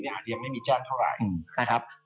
ยังไม่มีแจ้งเท่าไหร่